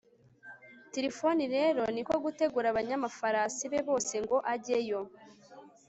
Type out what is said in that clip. tirifoni rero ni ko gutegura abanyamafarasi be bose ngo ajyeyo